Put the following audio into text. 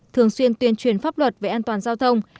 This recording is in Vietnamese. thường xuyên tuyên truyền pháp luật về an toàn giao thông